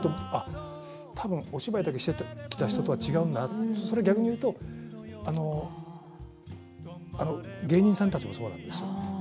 たぶんお芝居だけしてきた人と違う、逆に言うと芸人さんたちもそうなんですよ。